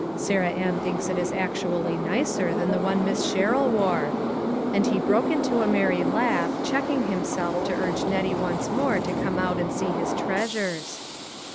Sarah Ann thinks it is actually nicer than the one Miss Sherrill wore." And he broke into a merry laugh, checking him self to urge Nettie once more to come out and see his treasures.